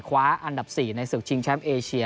คว้าอันดับ๔ในศึกชิงแชมป์เอเชีย